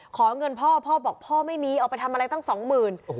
ขอเงินพ่อพ่อบอกพ่อไม่มีเอาไปทำอะไรตั้งสองหมื่น